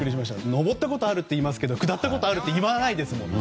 登ったことあるっていいますけど下ったことあるって言わないですもんね。